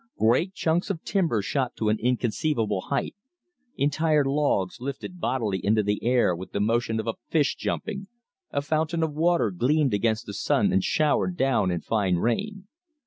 Great chunks of timber shot to an inconceivable height; entire logs lifted bodily into the air with the motion of a fish jumping; a fountain of water gleamed against the sun and showered down in fine rain.